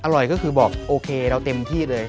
ก็คือบอกโอเคเราเต็มที่เลย